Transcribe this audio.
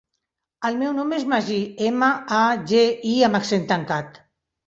El meu nom és Magí: ema, a, ge, i amb accent tancat.